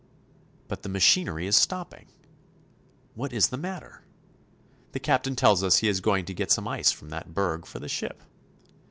But the machinery is stopping! What is the matter? The captain tells us he is going to get some ice from that berg for the ship.